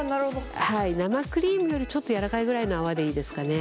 生クリームよりちょっとやわらかいぐらいの泡でいいですかね。